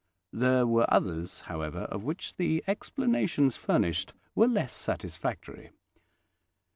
There were others, however, of which the explanations furnished were less satisfactory.